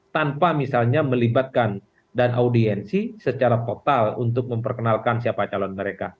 tanpa misalnya melibatkan dan audiensi secara total untuk memperkenalkan siapa calon mereka